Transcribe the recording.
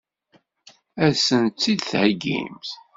Ad sent-tt-id-theggimt?